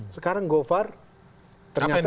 sekarang govar ternyata dipiksa